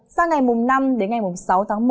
sau ngày mùng năm đến ngày mùng sáu tháng một